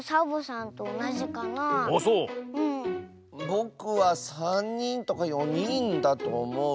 ぼくはさんにんとかよにんだとおもう。